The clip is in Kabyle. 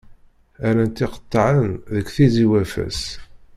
Ɛerran-t iqeṭṭaɛen deg Tizi-Waffas.